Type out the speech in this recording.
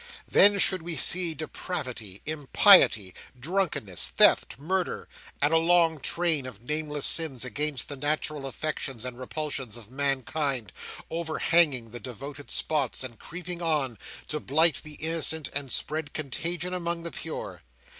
Then should we see depravity, impiety, drunkenness, theft, murder, and a long train of nameless sins against the natural affections and repulsions of mankind, overhanging the devoted spots, and creeping on, to blight the innocent and spread contagion among the pure.